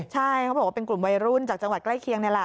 ใช่เขาบอกว่าเป็นกลุ่มวัยรุ่นจากจังหวัดใกล้เคียงนี่แหละ